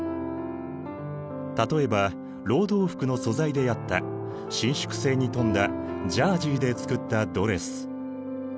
例えば労働服の素材であった伸縮性に富んだジャージーで作ったドレス。